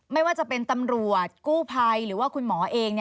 ไม่ว่าจะเป็นตำรวจกู้ภัยหรือว่าคุณหมอเอง